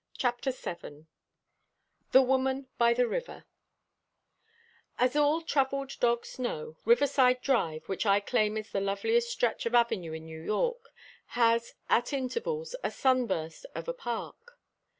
CHAPTER VII THE WOMAN BY THE RIVER As all travelled dogs know, Riverside Drive, which I claim is the loveliest stretch of avenue in New York, has, at intervals, a sunburst of a park.